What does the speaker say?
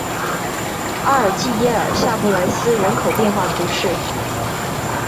阿尔济耶尔下布来斯人口变化图示